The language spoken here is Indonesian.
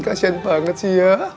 kasian banget sih ya